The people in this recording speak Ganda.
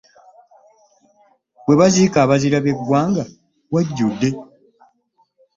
We baziika abazira b'eggwanga wajjudde.